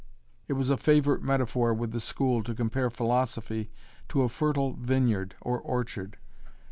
It was a favourite metaphor with the school to compare philosophy to a fertile vineyard or orchard.